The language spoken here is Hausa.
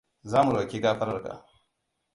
Zamu roki gafararka.